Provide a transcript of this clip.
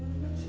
duh siapa sih